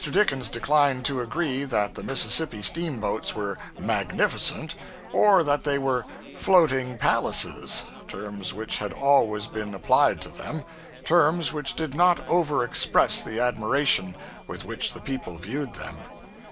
Dickens declined to agree that the Mississippi steamboats were 'magnificent,' or that they were 'floating palaces,' terms which had always been applied to them; terms which did not over express the admiration with which the people viewed them.